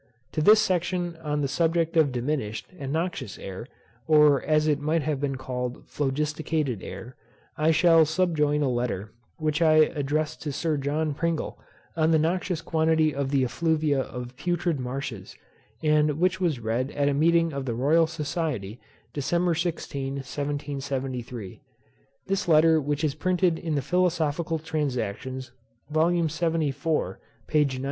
To this section on the subject of diminished, and noxious air, or as it might have been called phlogisticated air, I shall subjoin a letter which I addressed to Sir John Pringle, on the noxious quality of the effluvia of putrid marshes, and which was read at a meeting of the Royal Society, December 16, 1773. This letter which is printed in the Philosophical Transactions, Vol. 74, p. 90.